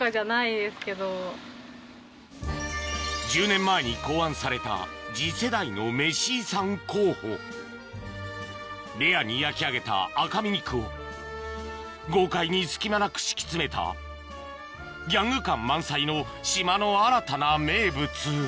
１０年前に考案された次世代のメシ遺産候補レアに焼き上げた赤身肉を豪快に隙間なく敷き詰めたギャング感満載の島の新たな名物